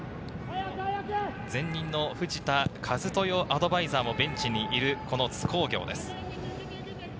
前任の藤田一豊アドバイザーもベンチにいる津工業です。